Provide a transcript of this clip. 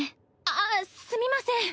あっすみません。